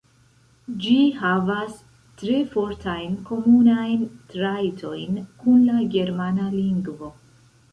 Ĝi havas tre fortajn komunajn trajtojn kun la germana lingvo.